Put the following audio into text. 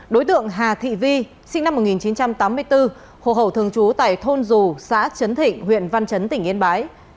đối tượng hà thị vi sinh năm một nghìn chín trăm tám mươi bốn hộ khẩu thường trú tại thôn dù xã chấn thịnh huyện văn chấn tỉnh yên bái